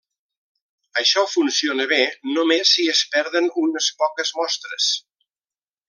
Això funciona bé només si es perden unes poques mostres.